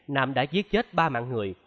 nam đã giết chết ba mạng người